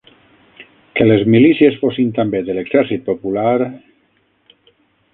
Que les milícies fossin també de l'Exèrcit Popular...